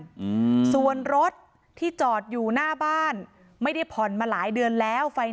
อืมส่วนรถที่จอดอยู่หน้าบ้านไม่ได้ผ่อนมาหลายเดือนแล้วไฟ